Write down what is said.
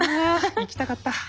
行きたかった。